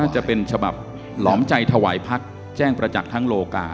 จะเป็นฉบับหลอมใจถวายพักแจ้งประจักษ์ทั้งโลกา